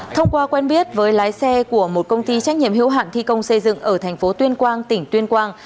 thông qua quen biết với lái xe của một công ty trách nhiệm hữu hạn thi công xây dựng ở thành phố tuyên quang tỉnh tuyên quang